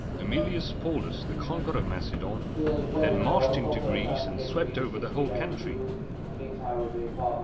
Æ mil´i us Pau´lus, the conqueror of Macedon, then marched into Greece, and swept over the whole country.